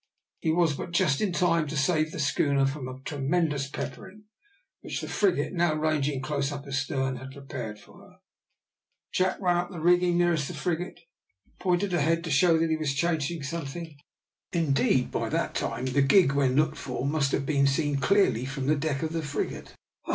He was but just in time to save the schooner from a tremendous peppering, which the frigate, now ranging close up astern, had prepared for her. Jack ran up the rigging nearest the frigate, and pointed ahead to show that he was chasing something; indeed, by that time the gig when looked for must have been seen clearly from the deck of the frigate.